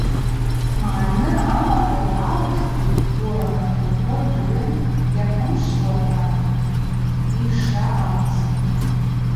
Магӏны амата йгӏаликӏгӏитӏ Воронов Клухор бльын йапымшвтуата йшаъамыз.